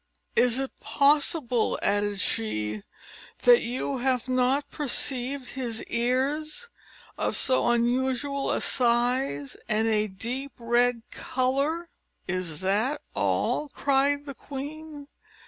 "Is it possible," added she, "that you have not perceived his ears, of so unusual a size, and a deep red colour?" "Is that all?" cried the queen.